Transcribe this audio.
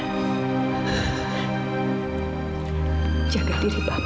ibu jaga diri pak ibu